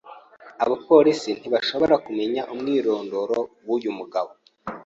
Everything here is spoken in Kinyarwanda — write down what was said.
Abapolisi ntibashoboye kumenya umwirondoro w'uyu mugabo.